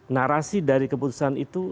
narasi dari keputusan itu